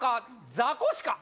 ザコシか？